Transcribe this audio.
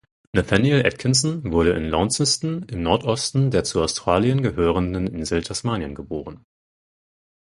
Nathaniel Atkinson wurde in Launceston im Nordosten der zu Australien gehörenden Insel Tasmanien geboren.